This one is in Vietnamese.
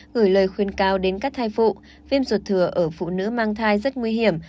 gửi lời khuyên cao đến các thai phụ viêm ruột thừa ở phụ nữ mang thai rất nguy hiểm